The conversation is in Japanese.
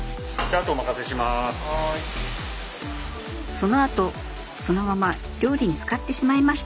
そのあとそのまま料理に使ってしまいました。